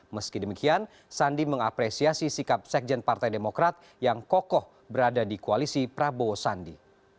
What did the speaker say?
meski demikian sandi mengapresiasi sikap sekjen partai demokrat yang kokoh berada di koalisi prabowo sandi